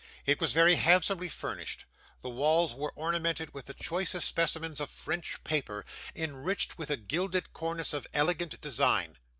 It was very handsomely furnished. The walls were ornamented with the choicest specimens of French paper, enriched with a gilded cornice of elegant design.